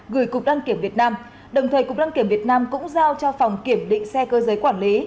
gửi cục đăng kiểm việt nam đồng thời cục đăng kiểm việt nam cũng giao cho phòng kiểm định xe cơ giới quản lý